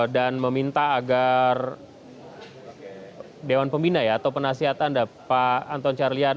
dan meminta agar dewan pembina atau penasihatan pak anton carlyan